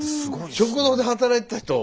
食堂で働いてた人を。